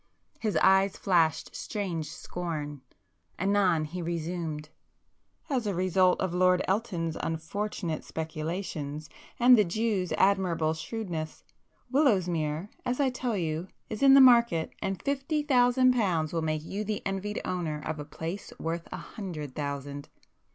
His eyes flashed strange scorn. Anon he resumed—"As a result of Lord Elton's unfortunate speculations, and the Jews' admirable shrewdness, Willowsmere, as I tell you is in the market, and fifty thousand pounds will make you the envied owner of a place worth a hundred thousand."